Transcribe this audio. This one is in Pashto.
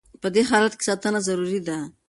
په دې حالت کې ساتنه ضروري ده.